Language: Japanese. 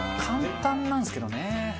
簡単なんですけどね。